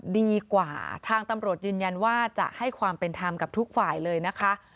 ดีกว่าทางตำรวจยืนยันว่าจะให้ความเป็นธรรมกับทุกฝ่ายเลยนะคะ